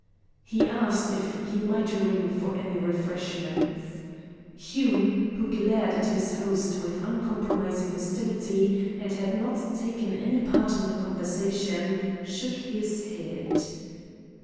He asked if he might ring for any refreshments. Hume, who glared at his host with uncompromising hostility, and had not taken any part in the conversation, shook his head.